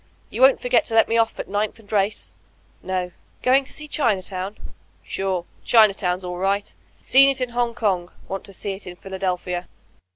You won't forget to let me off at Ninth and Race. "No. Gomg to see Chinatown?^ ''Sive. Chinatown's all right Seen it m Hong Koog. Want to see it m Philadelphia.